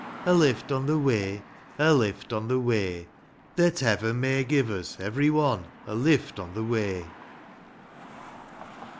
A lift on the way ; A lift on the way ; That heaven may give us, ev'ry one, a lift on the way.